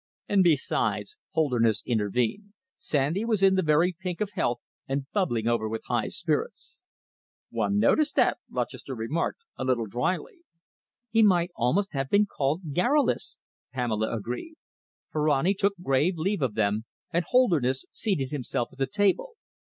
"And besides," Holderness intervened, "Sandy was in the very pink of health, and bubbling over with high spirits." "One noticed that," Lutchester remarked, a little drily. "He might almost have been called garrulous," Pamela agreed. Ferrani took grave leave of them, and Holderness seated himself at the table.